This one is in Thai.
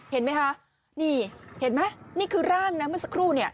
เห็นไหมคะนี่เห็นไหมนี่คือร่างนะเมื่อสักครู่เนี่ย